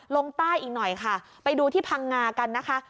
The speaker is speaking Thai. ลงใต้อีกหน่อยค่ะไปดูที่พังงากันนะคะ